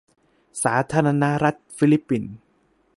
สาธารณรัฐฟิลิปปินส์